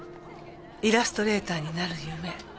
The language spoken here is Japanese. イラストレーターになる夢。